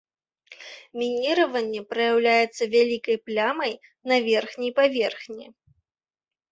Мініраванне праяўляецца вялікай плямай на верхняй паверхні.